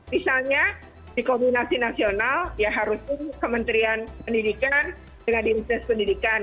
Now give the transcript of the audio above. misalnya di kombinasi nasional ya harusnya kementerian pendidikan dengan dinas pendidikan